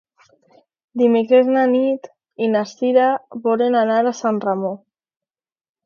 Dimecres na Nit i na Cira volen anar a Sant Ramon.